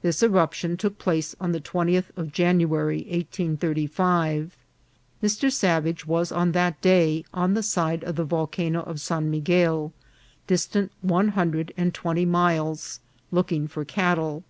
This eruption took place on the 20th of January, 1835. Mr. Savage was on that day on the side of the Volcano of San Miguel, distant one hundred and twenty miles, looking for cattle.